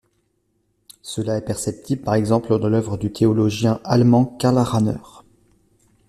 Cela est perceptible par exemple dans l'œuvre du théologien allemand Karl Rahner.